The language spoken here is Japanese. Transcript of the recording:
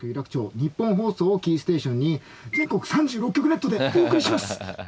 ニッポン放送をキーステーションに全国３６局ネットでお送りします。